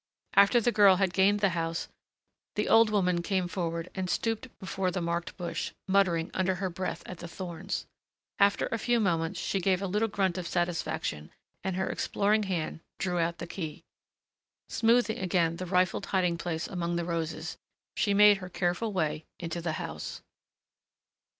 After the girl had gained the house, the old woman came forward and stooped before the marked bush, muttering under her breath at the thorns. After a few moments she gave a little grunt of satisfaction and her exploring hand drew out the key. Smoothing again the rifled hiding place among the roses, she made her careful way into the house.